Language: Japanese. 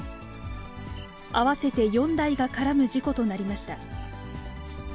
合わせて４台が絡む事故となりました。